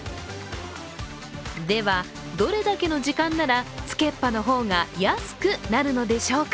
では、どれぐらいの時間ならつけっぱの方が安くなるのでしょうか。